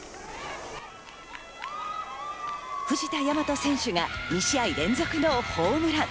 藤田倭選手が２試合連続のホームラン。